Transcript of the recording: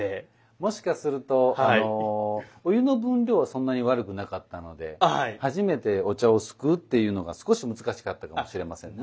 もしかするとお湯の分量はそんなに悪くなかったので初めてお茶をすくうっていうのが少し難しかったかもしれませんね。